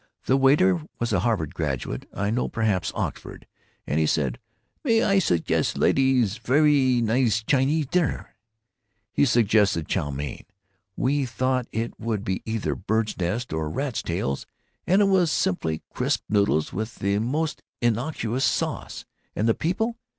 The waiter was a Harvard graduate, I know—perhaps Oxford—and he said, 'May I sugges' ladies velly nize China dinner?' He suggested chow main—we thought it would be either birds' nests or rats' tails, and it was simply crisp noodles with the most innocuous sauce.... And the people!